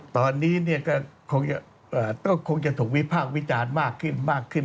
ตอนนี้ก็คงจะถูกวิภาควิจารณ์มากขึ้น